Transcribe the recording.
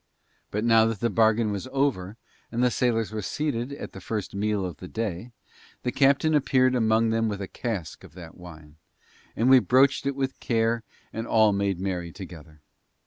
But now that the bargain was over, and the sailors were seated at the first meal of the day, the captain appeared among them with a cask of that wine, and we broached it with care and all made merry together.